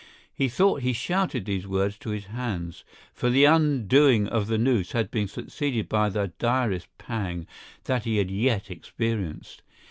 He thought he shouted these words to his hands, for the undoing of the noose had been succeeded by the direst pang that he had yet experienced.